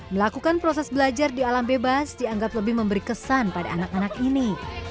melakukan proses belajar di alam bebas dianggap lebih memberi kesan pada anak anak ini